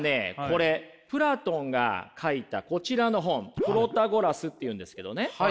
これプラトンが書いたこちらの本「プロタゴラス」っていうんですけどね。